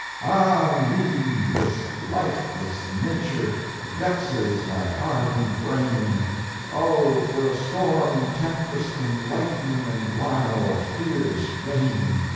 "Ah, me! this lifeless nature Vexes my heart and brain; Oh! for a storm and tempest, And lightning, and wild, fierce rain."